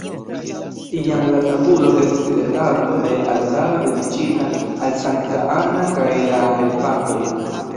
Iam la tabulo estis retablo de altaro dediĉita al Sankta Anna kaj la helpantoj.